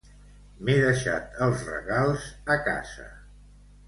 M'he deixat els regals a casa.